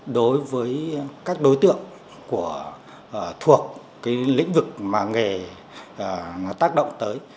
đối với các đối tượng thuộc cái lĩnh vực mà nghề nó tác động tới